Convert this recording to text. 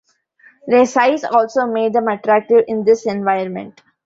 Their size also made them attractive in this environment.